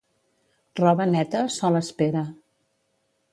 Roba neta, sol espera.